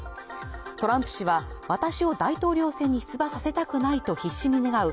トランプ氏は私を大統領選に出馬させたくないと必死に願う